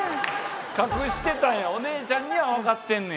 隠してたんやお姉ちゃんには分かってんねや。